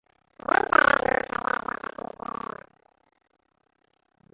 Δεν μπορώ να έχω λόγια από την κυρία